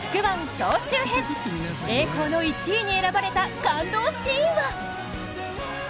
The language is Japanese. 総集編、栄光の１位に選ばれた感動シーンは？